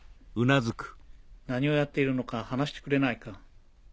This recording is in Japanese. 何をやっているのか話してくれないか？